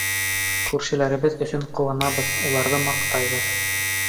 Күршеләребеҙ өсөн ҡыуанабыҙ, уларҙы маҡтайбыҙ.